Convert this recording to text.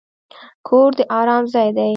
کور د ارام ځای دی.